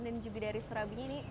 dan jubi dari surabinya nih